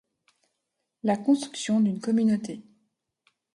la construction d’une communauté